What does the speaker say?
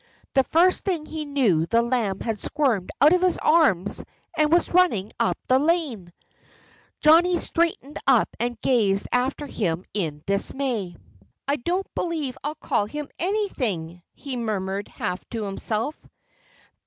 The first thing he knew the lamb had squirmed out of his arms and was running up the lane. Johnnie straightened up and gazed after him in dismay. "I don't believe I'll call him anything," he murmured, half to himself.